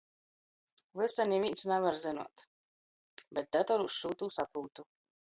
Vysa nivīns navar zynuot, bet datorūs šū tū saprūtu.